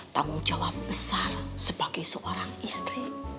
tanggung jawab besar sebagai seorang istri